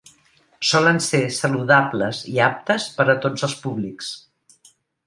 Solen ser saludables i aptes per a tots els públics.